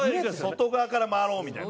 外側から回ろうみたいな。